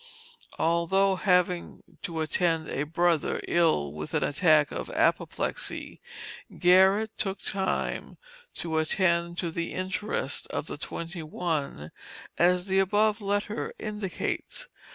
Although having "to attend a brother, ill with an attack of apoplexy," Garrett took time to attend to the interest of the "twenty one," as the above letter indicates.